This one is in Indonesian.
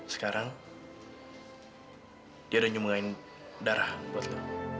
sekarang dia udah nyumbungin darah buat lo